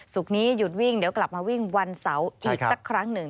นี้หยุดวิ่งเดี๋ยวกลับมาวิ่งวันเสาร์อีกสักครั้งหนึ่ง